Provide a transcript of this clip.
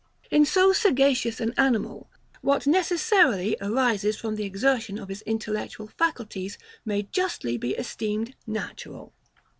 In so sagacious an animal, what necessarily arises from the exertion of his intellectual faculties may justly be esteemed natural.